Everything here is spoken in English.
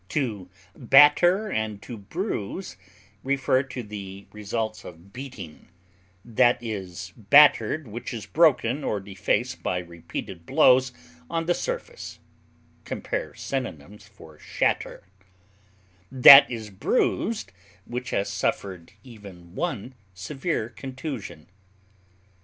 To batter and to bruise refer to the results of beating; that is battered which is broken or defaced by repeated blows on the surface (compare synonyms for SHATTER); that is bruised which has suffered even one severe contusion.